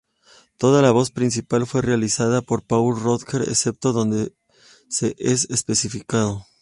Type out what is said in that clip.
Toda la voz principal fue realizada por Paul Rodgers, excepto donde se es especificado.